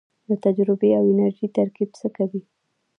د تجربې او انرژۍ ترکیب څه کوي؟